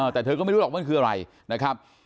แต่เธอก็ไม่รู้หรอกมันคืออะไรนะครับ